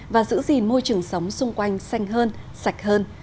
và giữ gìn môi trường sống xung quanh xanh hơn sạch hơn